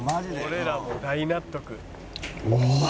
「俺らもう大納得」